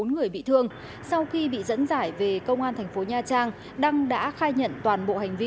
bốn người bị thương sau khi bị dẫn giải về công an thành phố nha trang đăng đã khai nhận toàn bộ hành vi